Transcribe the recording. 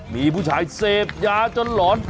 มีผู้ชายเสพยาจนหลอน